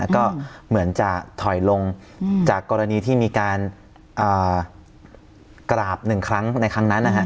ก็เหมือนจะถอยลงจากกรณีที่มีการกราบหนึ่งครั้งในครั้งนั้นนะฮะ